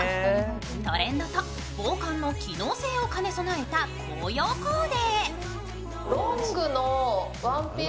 トレンドと防寒の機能性を兼ね備えた紅葉コーデ。